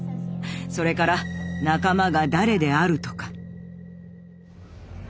それから仲間が誰であるとか。